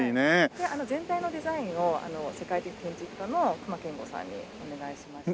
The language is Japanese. で全体のデザインをあの世界的建築家の隈研吾さんにお願いしまして。